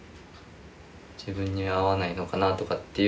自分に合わないのかなっていう。